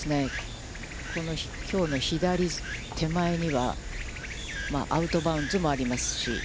このきょうの左手前には、アウトバウンドもありますし。